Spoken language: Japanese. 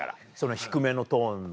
低めのトーンの。